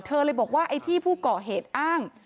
เลยบอกว่าไอ้ที่ผู้ก่อเหตุอ้าง